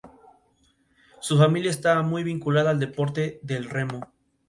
Su familia estaba muy vinculada al deporte del remo.